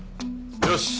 よし！